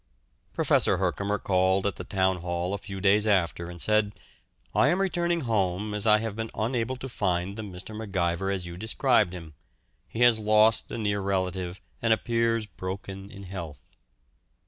Professor Herkomer called at the Town Hall a few days after, and said, "I am returning home as I have been unable to find the Mr. MacIver as you described him: he has lost a near relative and appears broken in health."